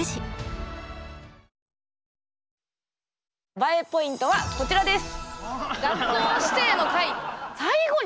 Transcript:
ＢＡＥポイントはこちらです！